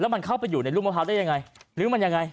มันเข้าไปอยู่ในลูกมะพร้าวได้ยังไงหรือมันยังไง